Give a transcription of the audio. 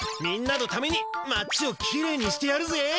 みんなのために町をきれいにしてやるぜ。